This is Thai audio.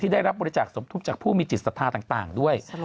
ที่ได้รับบริจาคสมทุนจากผู้มีจิตศาสตราต่างด้วย